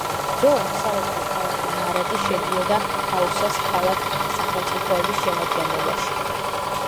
ძველად სავაჭრო ქალაქი მარადი შედიოდა ჰაუსას ქალაქ-სახელმწიფოების შემადგენლობაში.